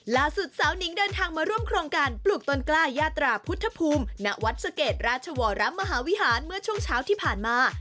ล่าสุดสาวนิงเดินทางมาร่วมโครงการปลูกต้นกล้ายาตราพุทธภูมิณวัดสะเกดราชวรมหาวิหารเมื่อช่วงเช้าที่ผ่านมา